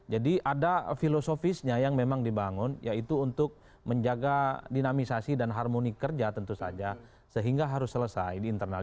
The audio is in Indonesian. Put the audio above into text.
jadi ada filosofisnya yang memang dibangun yaitu untuk menjaga dinamisasi dan harmoni kerja tentu saja sehingga harus selesai di internal